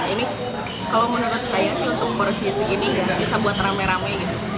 ini kalau menurut saya sih untuk porsi segini bisa buat rame rame